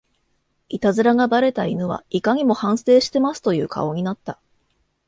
イタズラがバレた犬はいかにも反省してますという顔になった